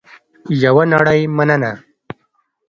یوه نړۍ مننه